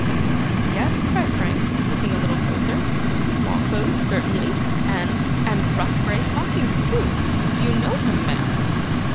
'Yes,' cried Frank, looking a little closer. 'Small clothes certainly, and and rough grey stockings, too. Do you know him, ma'am?